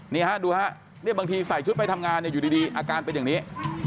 นี่ฮะดูฮะบางทีใส่ชุดไปทำงานอยู่ดีอาการเป็นอย่างนี้